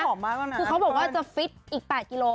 พร้อมมากแล้วนะคือเขาบอกว่าจะฟิตอีกแปดกิโล